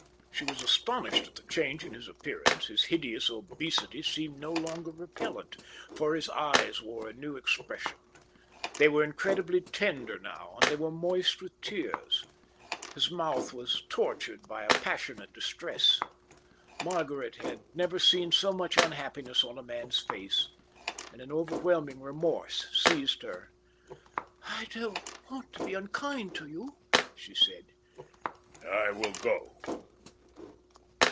She was astonished at the change in his appearance. His hideous obesity seemed no longer repellent, for his eyes wore a new expression; they were incredibly tender now, and they were moist with tears. His mouth was tortured by a passionate distress. Margaret had never seen so much unhappiness on a man's face, and an overwhelming remorse seized her. "I don't want to be unkind to you," she said. "I will go.